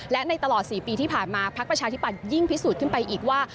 และในตลอด๔ปีที่ผ่านมาพักประชาธิบัตยิ่งพิสูจน์ขึ้นไปอีกว่า